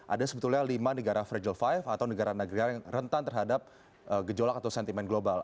ada sebetulnya lima negara fragile five atau negara negara yang rentan terhadap gejolak atau sentimen global